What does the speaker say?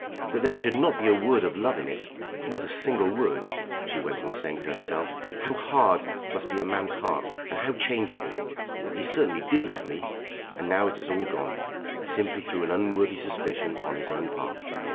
"That there should be not a word of love in it; not a single word," she went on saying to herself. "How hard must be a man's heart, and how changeable! He certainly did love me, and now it has all gone, simply through an unworthy suspicion on his own part."